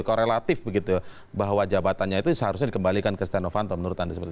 korelatif begitu bahwa jabatannya itu seharusnya dikembalikan ke setia novanto menurut anda seperti